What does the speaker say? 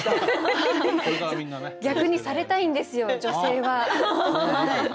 逆にされたいんですよ女性は。